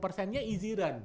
easy run nya dia